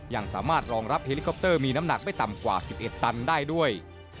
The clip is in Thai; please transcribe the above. ยังสามารถรองรับเฮลิคอปเตอร์มีน้ำหนักไม่ต่ำกว่า๑๑ตันได้ด้วย